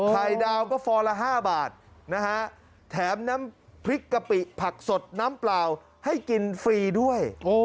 ไข่ดาวก็ฟองละ๕บาทนะฮะแถมน้ำพริกกะปิผักสดน้ำเปล่าให้กินฟรีด้วย